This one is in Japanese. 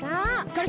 つかれた。